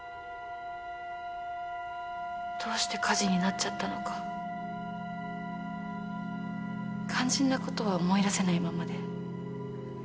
どうして火事になっちゃったのか肝心な事は思い出せないままで。